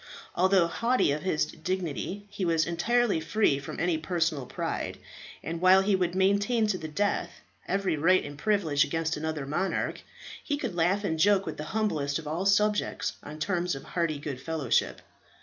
Although haughty of his dignity, he was entirely free from any personal pride, and while he would maintain to the death every right and privilege against another monarch, he could laugh and joke with the humblest of his subjects on terms of hearty good fellowship.